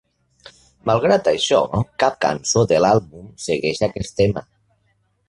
Malgrat això, cap cançó de l'àlbum segueix aquest tema.